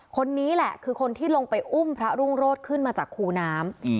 คนนี้แหละคือคนที่ลงไปอุ้มพระรุ่งโรธขึ้นมาจากคูน้ำ